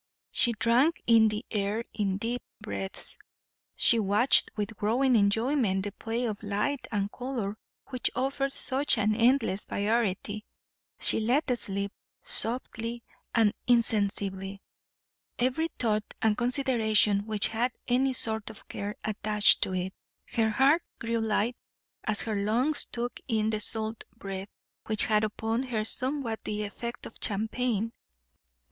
She drank in the air in deep breaths; she watched with growing enjoyment the play of light and colour which offered such an endless variety; she let slip, softly and insensibly, every thought and consideration which had any sort of care attached to it; her heart grew light, as her lungs took in the salt breath, which had upon her somewhat the effect of champagne.